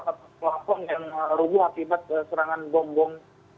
pelakon yang ruguh akibat serangan bom bom